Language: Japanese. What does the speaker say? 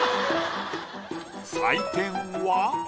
採点は。